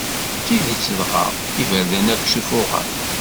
D tidet dɣa, iberdan akk ssufuɣen?